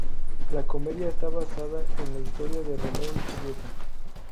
La comedia está basada en la historia de "Romeo y Julieta".